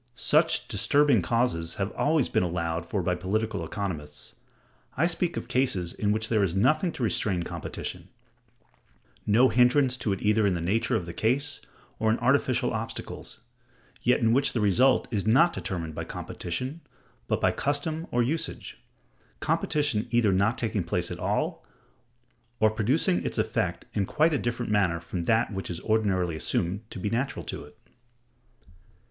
Such disturbing causes have always been allowed for by political economists. I speak of cases in which there is nothing to restrain competition; no hindrance to it either in the nature of the case or in artificial obstacles; yet in which the result is not determined by competition, but by custom or usage; competition either not taking place at all, or producing its effect in quite a different manner from that which is ordinarily assumed to be natural to it.